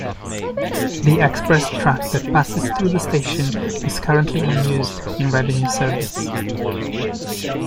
The express track that passes through the station is currently unused in revenue service.